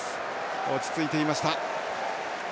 落ち着いていました。